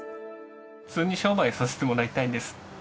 普通に商売させてもらいたいんです。